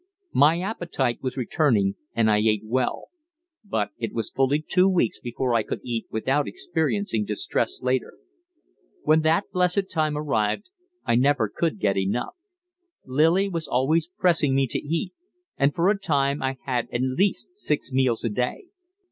My appetite was returning, and I ate well; but it was fully two weeks before I could eat without experiencing distress later. When that blessed time arrived, I never could get enough; Lillie was always pressing me to eat, and for a time I had at least six meals a day.